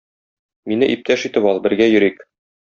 Мине иптәш итеп ал, бергә йөрик.